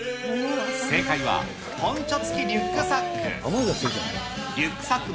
正解は、ポンチョ付きリュックサック。